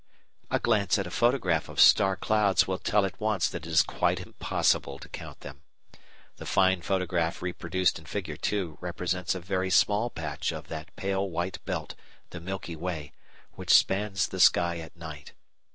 A glance at a photograph of star clouds will tell at once that it is quite impossible to count them. The fine photograph reproduced in Figure 2 represents a very small patch of that pale white belt, the Milky Way, which spans the sky at night.